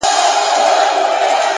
وه ه ته به كله زما شال سې ـ